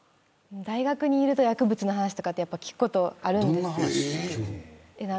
大学にいると薬物の話聞くことあるんです。